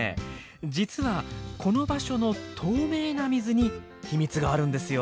実はこの場所の透明な水に秘密があるんですよ。